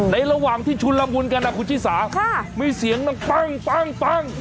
ระหว่างที่ชุนละมุนกันนะคุณชิสามีเสียงดังปั้ง